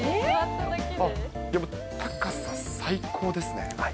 あっ、でも高さ最高ですね。